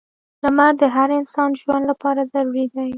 • لمر د هر انسان ژوند لپاره ضروری دی.